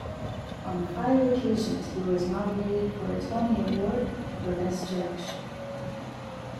On five occasions he was nominated for a Tony Award for Best Direction.